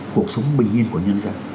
cuộc sống bình yên của nhân dân